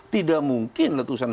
tidak mungkin letusan